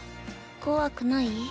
怖くない？